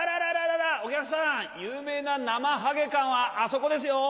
お客さん有名ななまはげ館はあそこですよ。